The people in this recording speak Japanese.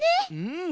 うん。